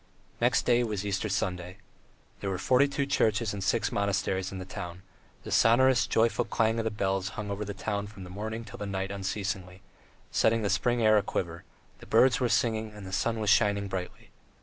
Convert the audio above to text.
Next day was Easter Sunday. There were forty two churches and six monasteries in the town; the sonorous, joyful clang of the bells hung over the town from morning till night unceasingly, setting the spring air aquiver; the birds were singing, the sun was shining brightly.